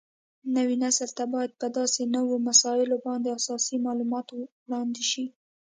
نوي نسل ته باید په داسې نوو مسایلو باندې اساسي معلومات وړاندې شي